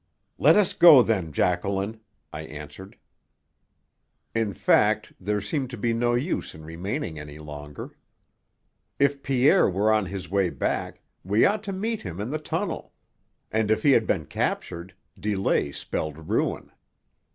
"Let us go, then, Jacqueline," I answered. In fact, there seemed to be no use in remaining any longer. If Pierre were on his way back, we ought to meet him in the tunnel; and if he had been captured, delay spelled ruin.